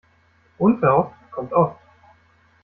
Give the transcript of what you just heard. Unverhofft kommt oft.